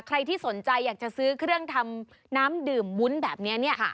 ใครที่สนใจอยากจะซื้อเครื่องทำน้ำดื่มวุ้นแบบนี้เนี่ย